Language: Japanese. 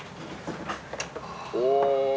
お。